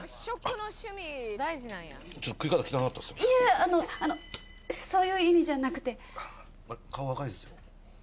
あのあのそういう意味じゃなくて顔赤いですよ